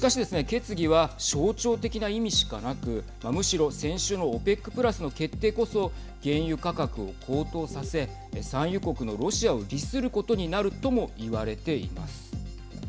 決議は象徴的な意味しかなくむしろ先週のＯＰＥＣプラスの決定こそ原油価格を高騰させ産油国のロシアを利することになるとも言われています。